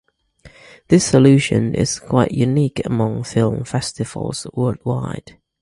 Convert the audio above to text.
This solution is quite unique among film festivals worldwide.